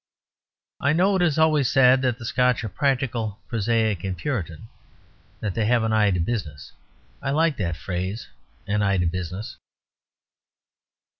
I know it is always said that the Scotch are practical, prosaic, and puritan; that they have an eye to business. I like that phrase "an eye" to business.